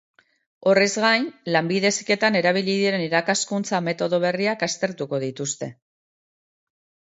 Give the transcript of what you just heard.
Horrez gain, lanbide heziketan erabili diren irakaskuntza metodo berriak aztertuko dituzte.